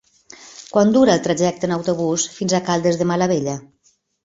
Quant dura el trajecte en autobús fins a Caldes de Malavella?